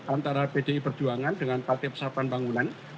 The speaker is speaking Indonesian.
antara pdi perjuangan dengan partai persatuan bangunan